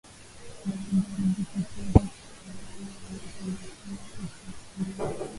baadae alijitokeza kutawanya umati uliokuwa ukimsubiri